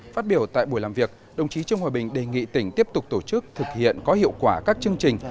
phát biểu tại buổi làm việc đồng chí trương hòa bình đề nghị tỉnh tiếp tục tổ chức thực hiện có hiệu quả các chương trình